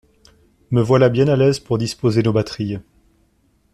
Me voilà bien à l'aise pour disposer nos batteries.